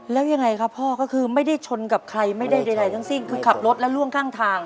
แล้วยังไงครับพ่อก็คือไม่ได้ชนกับใครไม่ได้ใดทั้งสิ้นคือขับรถแล้วล่วงข้างทาง